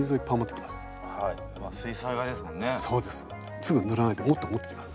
すぐ塗らないでもっと持ってきます。